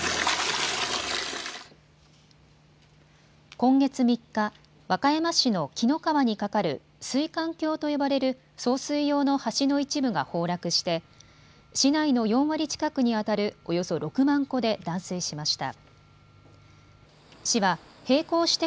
今月３日、和歌山市の紀の川に架かる水管橋と呼ばれる送水用の橋の一部が崩落して市内の４割近くにあたるおよそ６万戸で断水しました。